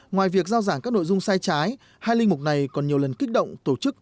ngoài việc giao giảng các nội dung sai trái hai linh mục này còn nhiều lần kích động tổ chức